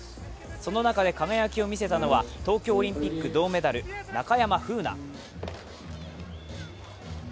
その中で輝きを見せたのは東京オリンピック銅メダル中山楓奈。